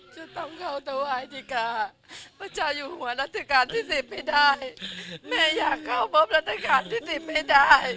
จะต้องเข้าถวายดีกาพระเจ้าอยู่หัวรัชกาลที่สิบให้ได้แม่อยากเข้าพบรัฐกาลที่สิบให้ได้